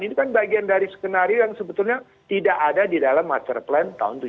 ini kan bagian dari skenario yang sebetulnya tidak ada di dalam master plan tahun tujuh puluh tiga